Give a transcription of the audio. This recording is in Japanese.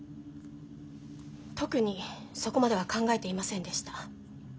特にそこまでは考えていませんでした。